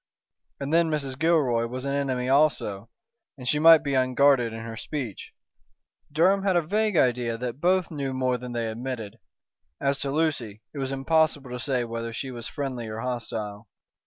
And then Mrs. Gilroy was an enemy also, and she might be unguarded in her speech. Durham had a vague idea that both knew more than they admitted. As to Lucy, it was impossible to say whether she was friendly or hostile.